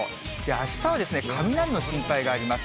あしたは雷の心配があります。